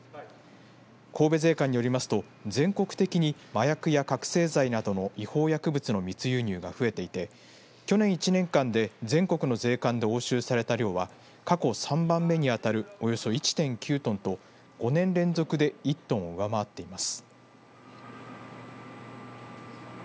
神戸税関によりますと全国的に麻薬や覚せい剤などの違法薬物の密輸入が増えていて去年１年間で全国の税関で押収された量は過去３番目に当たるおよそ１．９トンと５年連続で１トンを上回っています。